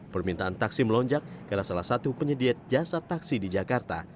permintaan taksi melonjak karena salah satu penyedia jasa taksi di jakarta